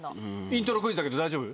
イントロクイズだけど大丈夫？